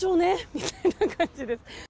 みたいな感じです。